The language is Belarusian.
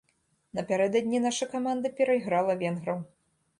Напярэдадні наша каманда перайграла венграў.